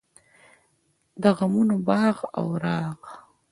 د غمونو باغ او راغ.